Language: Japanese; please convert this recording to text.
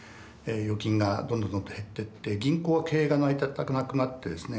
預金がどんどんどんどん減ってって銀行は経営が成り立たなくなってですね